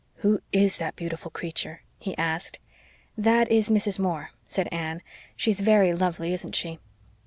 "Who is that beautiful creature?" he asked. "That is Mrs. Moore," said Anne. "She is very lovely, isn't she?"